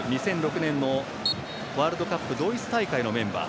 ２００６年のワールドカップドイツ大会のメンバー。